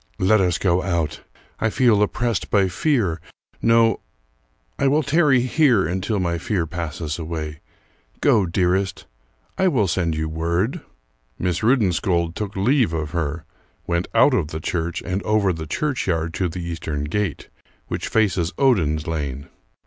"Let us go out! I feel oppressed by fear no, I will tarry here until my fear passes away. Go, dearest, I will send you word." Miss Rudensköld took leave of her; went out of the church and over the churchyard to the Eastern Gate, which faces Oden's lane....